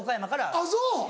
あっそう。